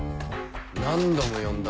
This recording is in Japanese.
何度も呼んだ。